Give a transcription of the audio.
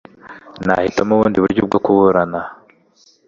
Nahitamo ubundi buryo bwo kuburana.